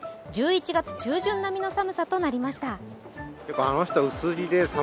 １１月中旬並みの寒さとなりました。